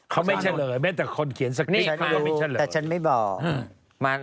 เขาไม่เฉลยไหมแต่คนเขียนสกิน